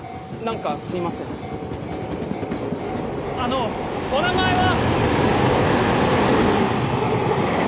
あのお名前は！